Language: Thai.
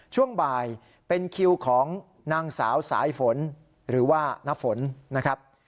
ช่วงบ่ายเป็นคิวของนางสาวสายฝนหรือว่าน้าฝนนะครับ